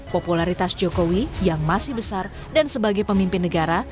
popularitas jokowi yang masih besar dan sebagai pemimpin negara